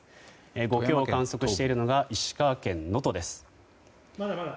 ５強を観測しているのが石川県能登です。